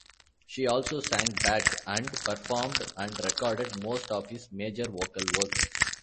She also sang Bach and performed and recorded most of his major vocal works.